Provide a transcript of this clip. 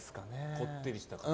こってりした感じ。